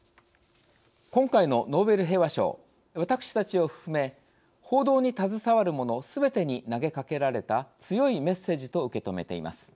今回のノーベル平和賞私たちを含め報道に携わる者すべてに投げかけられた強いメッセージと受け止めています。